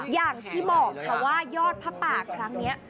อย่างที่บอกค่ะว่ายอดผ้าป่าครั้งนี้